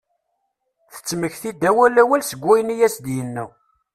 Tettmekti-d awal awal seg wayen i as-d-yenna.